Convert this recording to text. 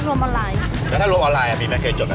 ครับเป็นรวมออนไลน์แล้วถ้ารวมออนไลน์อาทิตย์มีไหมเคยจดน่ะ